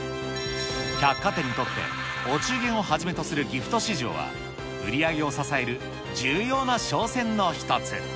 百貨店にとって、お中元をはじめとするギフト市場は、売り上げを支える重要な商戦の一つ。